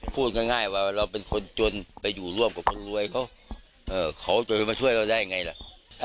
นึกได้อย่างเดียวว่าจะเอาลูกชายมาไว้ตรงวัดนี่แหละ